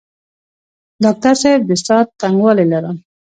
ډاکټر صاحب د ساه تنګوالی لرم؟